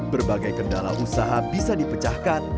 berbagai kendala usaha bisa dipecahkan